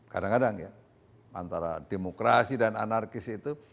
kadang kadang ya antara demokrasi dan anarkis itu